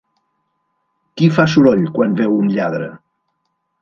Qui fa soroll quan veu un lladre?